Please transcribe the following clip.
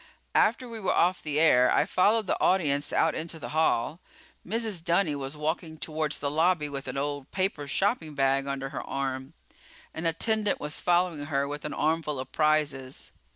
After we were off the air I followed the audience out into the hall. Mrs. Dunny was walking towards the lobby with an old paper shopping bag under her arm. An attendant was following her with an armful of prizes.